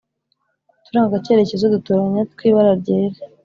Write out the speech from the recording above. Uturangacyerekezo dutoranya tw'ibara ryera